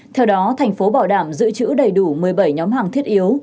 theo đó thành phố bảo đảm giữ chữ đầy đủ một mươi bảy nhóm hàng thiết yếu